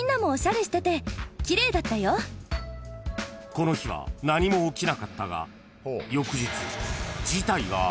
［この日は何も起きなかったが］